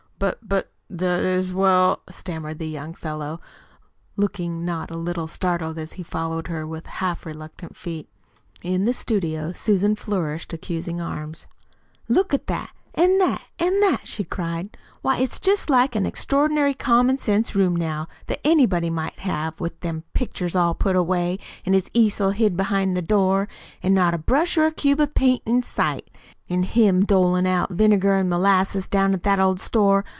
"But but that is well " stammered the young fellow, looking not a little startled as he followed her, with half reluctant feet. In the studio Susan flourished accusing arms. "Look at that, an' that, an' that!" she cried. "Why, it's like jest any extraordinary common sense room now, that anybody might have, with them pictures all put away, an' his easel hid behind the door, an' not a brush or a cube of paint in sight an' him dolin' out vinegar an' molasses down to that old store.